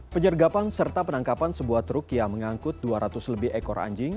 penyergapan serta penangkapan sebuah truk yang mengangkut dua ratus lebih ekor anjing